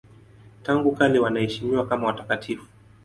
Tangu kale wanaheshimiwa kama watakatifu.